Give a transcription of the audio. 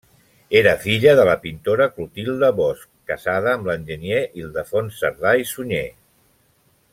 Era filla de la pintora Clotilde Bosch, casada amb l'enginyer Ildefons Cerdà i Sunyer.